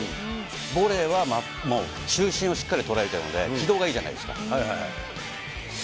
ボレーはもう中心をしっかり捉えてるんで、軌道がいいじゃないですか。